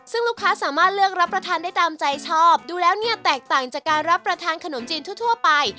ซึ่งลูกค้าสามารถเลือกรับประทานได้ตามใจชอบดูแล้วเนี่ยแตกต่างจากการรับประทานขนมจีนทั่วไป